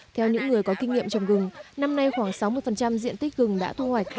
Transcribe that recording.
theo những người có kinh nghiệm trồng gừng năm nay khoảng sáu mươi diện tích rừng đã thu hoạch